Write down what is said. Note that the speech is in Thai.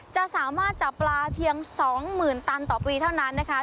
จะสามารถจับปลาเพียง๒๐๐๐ตันต่อปีเท่านั้นนะคะ